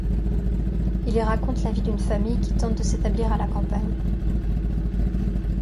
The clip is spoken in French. Il y raconte la vie d'une famille qui tente de s'établir à la campagne.